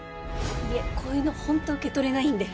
いえこういうの本当受け取れないんで。